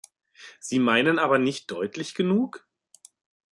Sie meinen aber nicht deutlich genug?